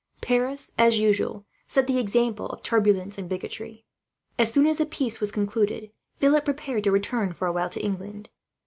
Paris, as usual, set the example of turbulence and bigotry. As soon as the peace was concluded, Philip prepared to return for a while to England.